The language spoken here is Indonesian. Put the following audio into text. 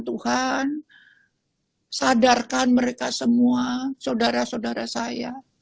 tuhan sadarkan mereka semua saudara saudara saya